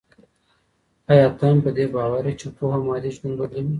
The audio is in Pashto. ايا ته هم په دې باور يې چي پوهه مادي ژوند بدلوي؟